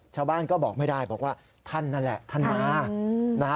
ชาวบ้านก็บอกไม่ได้บอกว่าท่านนั่นแหละท่านมานะฮะ